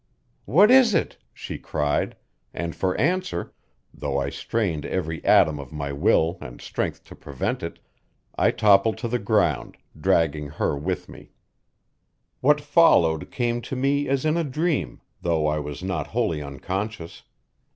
"What is it?" she cried, and for answer though I strained every atom of my will and strength to prevent it I toppled to the ground, dragging her with me. What followed came to me as in a dream, though I was not wholly unconscious.